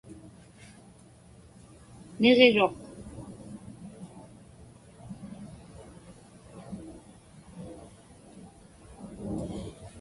Niġiruq.